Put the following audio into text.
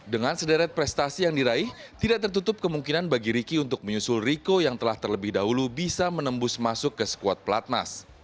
dengan sederet prestasi yang diraih tidak tertutup kemungkinan bagi riki untuk menyusul riko yang telah terlebih dahulu bisa menembus masuk ke squad pelatnas